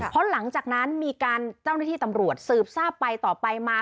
เพราะหลังจากนั้นมีการเจ้าหน้าที่ตำรวจสืบทราบไปต่อไปมา